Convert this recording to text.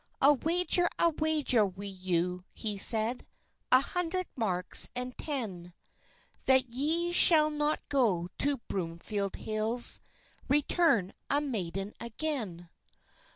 "I'll wager a wager wi' you," he said, "An hundred marks and ten, That ye shall not go to Broomfield Hills, Return a maiden again."